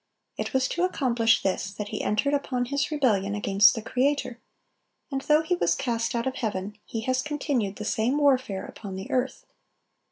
It was to accomplish this that he entered upon his rebellion against the Creator; and though he was cast out of heaven, he has continued the same warfare upon the earth.